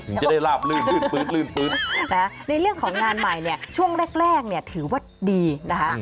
ถึงจะได้ราบรื่นนะในเรื่องของงานใหม่ช่วงแรกถือว่าดีนะคะ